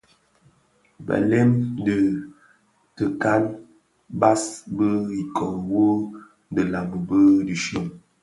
Belem dhi tikaň bas bi iköö wu dhilami, bi dhishyon,